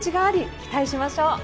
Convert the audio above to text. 期待しましょう。